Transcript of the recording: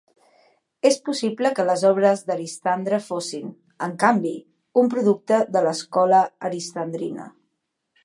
És possible que les obres d'Aristandre fossin, en canvi, un producte de l'escola aristandrina.